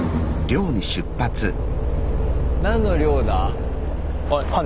何の漁だ？